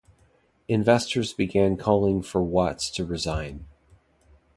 Investors began calling for Watts to resign.